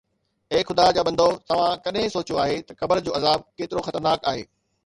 اي خدا جا بندو، توهان ڪڏهن سوچيو آهي ته قبر جو عذاب ڪيترو خطرناڪ آهي؟